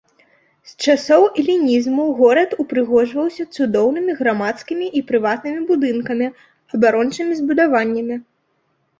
З часоў элінізму горад упрыгожваўся цудоўнымі грамадскімі і прыватнымі будынкамі, абарончымі збудаваннямі.